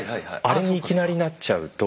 あれにいきなりなっちゃうと。